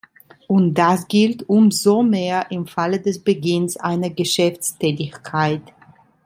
Und das gilt umso mehr im Falle des Beginns einer Geschäftstätigkeit.